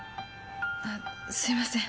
あすいません。